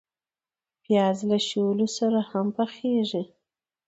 پیاز له شولو سره هم پخیږي